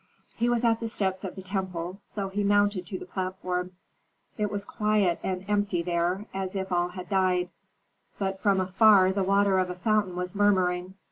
He was at the steps of the temple, so he mounted to the platform. It was quiet and empty there, as if all had died; but from afar the water of a fountain was murmuring.